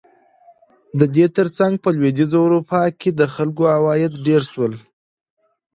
د دې ترڅنګ په لوېدیځه اروپا کې د خلکو عواید ډېر شول.